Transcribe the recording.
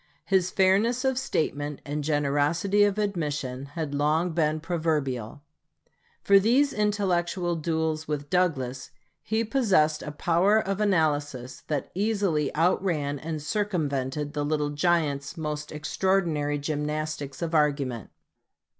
His fairness of statement and generosity of admission had long been proverbial. For these intellectual duels with Douglas, he possessed a power of analysis that easily outran and circumvented the "Little Giant's" most extraordinary gymnastics of argument.